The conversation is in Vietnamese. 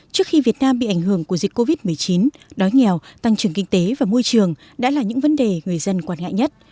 trước khi việt nam bị ảnh hưởng của dịch covid một mươi chín đói nghèo tăng trưởng kinh tế và môi trường đã là những vấn đề người dân quan ngại nhất